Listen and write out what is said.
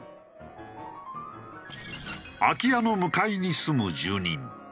空き家の向かいに住む住人。